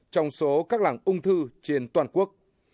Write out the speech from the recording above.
trong số các làng ung thư trên toàn quốc